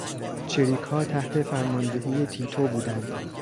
چریکها تحت فرماندهی تیتو بودند.